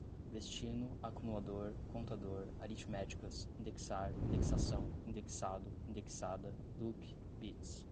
destino, acumulador, contador, aritméticas, indexar, indexação, indexado, indexada, loop, bits